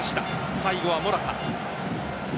最後はモラタ。